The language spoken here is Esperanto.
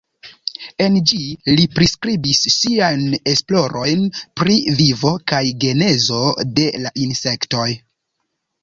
En ĝi li priskribis siajn esplorojn pri vivo kaj genezo de la insektoj.